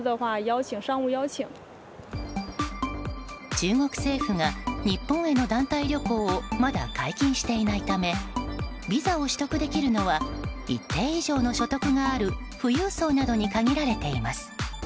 中国政府が日本への団体旅行をまだ解禁していないためビザを取得できるのは一定以上の所得がある富裕層などに限られています。